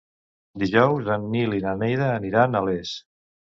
Dijous en Nil i na Neida aniran a Les.